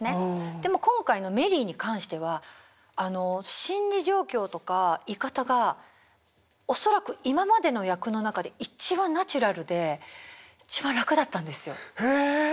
でも今回のメリーに関してはあの心理状況とかいかたが恐らく今までの役の中で一番ナチュラルで一番楽だったんですよ。へえ。